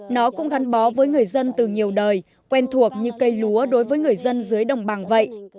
nó cũng gắn bó với người dân từ nhiều đời quen thuộc như cây lúa đối với người dân dưới đồng bằng vậy